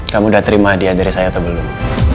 kamu udah terima hadiah dari saya atau belum